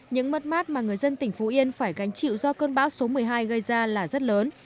những mất mát mà người dân tỉnh phú yên phải gánh chịu do cơn bão số một mươi hai gây ra là rất lớn